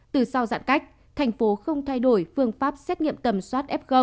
từ sau giãn cách thành phố không thay đổi phương pháp xét nghiệm tầm soát f